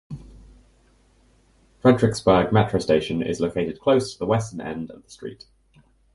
Frederiksberg metro station is located close to the western end of the street.